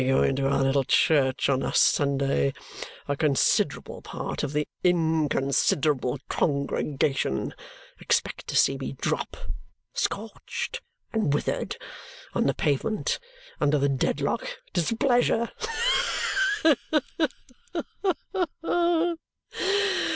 When I go into our little church on a Sunday, a considerable part of the inconsiderable congregation expect to see me drop, scorched and withered, on the pavement under the Dedlock displeasure.